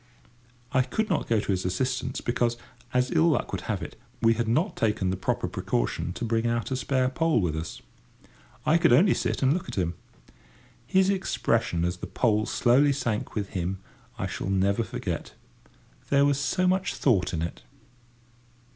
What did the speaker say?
I could not go to his assistance, because, as ill luck would have it, we had not taken the proper precaution to bring out a spare pole with us. I could only sit and look at him. His expression as the pole slowly sank with him I shall never forget; there was so much thought in it.